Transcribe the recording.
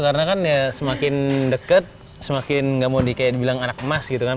karena kan ya semakin deket semakin gak mau dibilang anak emas gitu kan